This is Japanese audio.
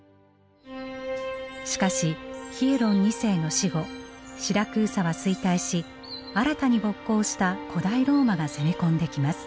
しかしヒエロン二世の死後シラクーサは衰退し新たに勃興した古代ローマが攻め込んできます。